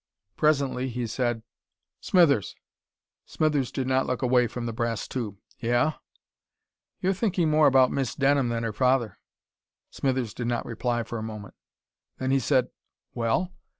Presently he said: "Smithers." Smithers did not look away from the brass tube. "Yeah?" "You're thinking more about Miss Denham than her father." Smithers did not reply for a moment. Then he said: "Well?